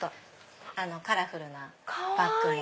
カラフルなバッグも。